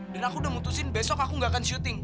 dan aku udah mutusin besok aku gak akan syuting